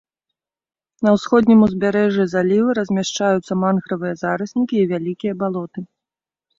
На ўсходнім узбярэжжы заліва размяшчаюцца мангравыя зараснікі і вялікі балоты.